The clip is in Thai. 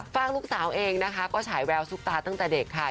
ฝากลูกสาวเองนะคะก็ฉายแววซุปตาตั้งแต่เด็กค่ะ